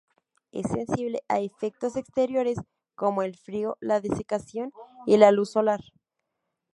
Es sensible a efectos exteriores como el frío, la desecación y la luz solar.